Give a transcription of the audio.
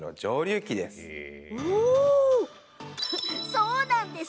そうなんです。